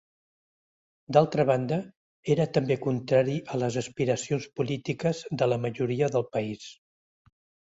D'altra banda, era també contrari a les aspiracions polítiques de la majoria del país.